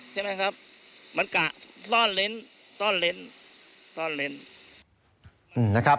ใช่ไหมครับมันกะซ่อนเลนส์ซ่อนเลนส์ซ่อนเลนส์อืมนะครับ